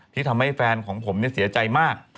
ที่ทำให้แฟนของผมเสียใจมาก